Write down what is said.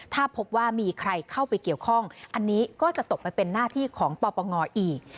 ถ้าพบว่ามีใครเข้าไปเกี่ยวข้องอันนี้ก็จะตกไปเป็นหน้าที่ของปปงอีก